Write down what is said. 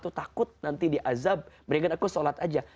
aku takut nanti dia azab beringat aku sholat aja